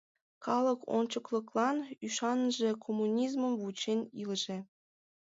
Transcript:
Калык ончыклыклан ӱшаныже, коммунизмым вучен илыже.